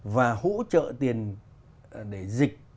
và hỗ trợ tiền để dịch